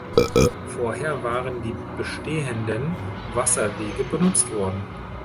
Vorher waren die bestehenden Wasserwege benutzt worden.